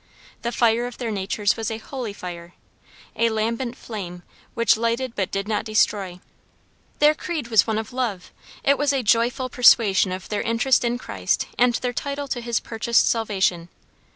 The fire of their natures was a holy fire a lambent flame which lighted but did not destroy. Their creed was one of love; it was a joyful persuasion of their interest in Christ and their title to His purchased salvation.